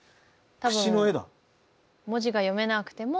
多分文字が読めなくても。